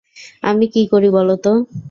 আমি কী করি বলো তো।